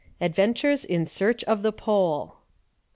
ADVENTURES IN SEARCH OF THE POLE.